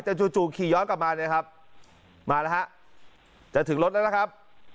แต่จู่ขี่ย้อนกลับมาเนี่ยครับมาแล้วฮะจะถึงรถแล้วล่ะครับ